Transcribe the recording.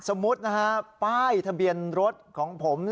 สมมุตินะฮะป้ายทะเบียนรถของผม